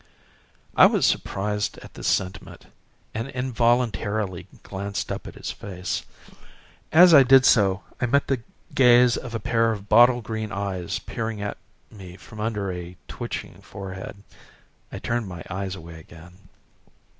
I was surprised at this sentiment and involuntarily glanced up at his face. As I did so I met the gaze of a pair of bottle green eyes peering at me from under a twitching forehead. I turned my eyes away again.